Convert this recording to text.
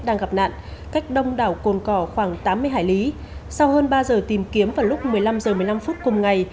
đang gặp nạn cách đông đảo cồn cỏ khoảng tám mươi hải lý sau hơn ba giờ tìm kiếm vào lúc một mươi năm h một mươi năm phút cùng ngày